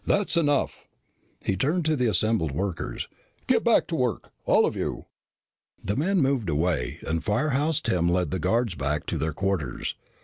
"That's enough." He turned to the assembled workers. "Get back to work, all of you." The men moved away and Firehouse Tim led the guards back to their quarters.